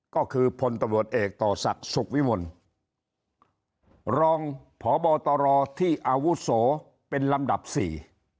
ก็คือพตเตศศุกร์วิวลรองพบตรที่อาวุโสเป็นลำดับสี่